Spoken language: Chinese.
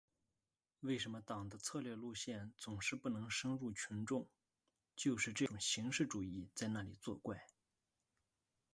为什么党的策略路线总是不能深入群众，就是这种形式主义在那里作怪。